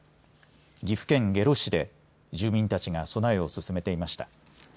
岐阜県下呂市で住民たちが備えを進めていました。